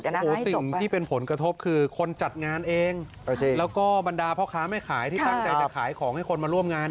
โอ้โหสิ่งที่เป็นผลกระทบคือคนจัดงานเองแล้วก็บรรดาพ่อค้าแม่ขายที่ตั้งใจจะขายของให้คนมาร่วมงาน